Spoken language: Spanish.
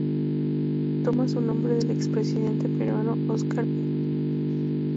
Toma su nombre del expresidente peruano Óscar R. Benavides.